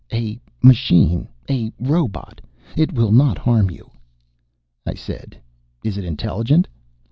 "A machine. A robot. It will not harm you." I said, "Is it intelligent?"